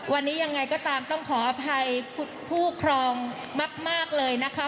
วันนี้ยังไงก็ตามต้องขออภัยผู้ครองมากเลยนะคะ